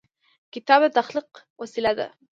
کتاب د تخلیق وسیله ده.